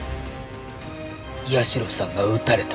社さんが撃たれた。